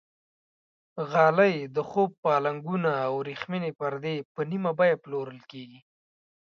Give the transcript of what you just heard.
غالۍ، د خوب پالنګونه او وریښمینې پردې په نه بیه پلورل کېږي.